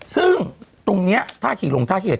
ซึ่งตรงนี้ถ้าขีดลงถ้าขีดเก็บ